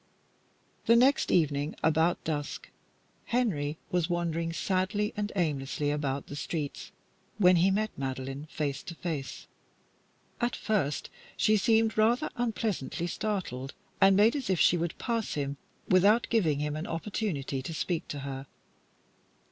The next evening, about dusk, Henry was wandering sadly and aimlessly about the streets when he met Madeline face to face. At first she seemed rather unpleasantly startled, and made as if she would pass him without giving him an opportunity to speak to her.